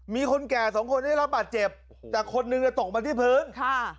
มีคนแก่สองคนได้รับบาดเจ็บแต่คนนึงอ่ะตกมาที่พื้นค่ะ